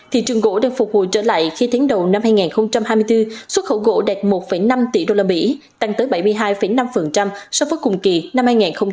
thị trường gỗ đang phục hồi trở lại khi tháng đầu năm hai nghìn hai mươi bốn xuất khẩu gỗ đạt một năm tỷ usd tăng tới bảy mươi hai năm so với cùng kỳ năm hai nghìn hai mươi hai